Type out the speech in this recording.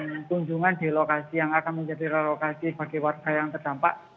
dan kunjungan di lokasi yang akan menjadi relokasi bagi warga yang terdampak